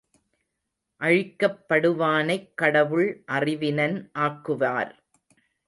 அழிக்கப் படுவானைக் கடவுள் அறிவினன் ஆக்குவார்.